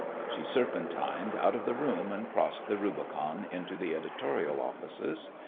She serpentined out of the room and crossed the Rubicon into the editorial offices.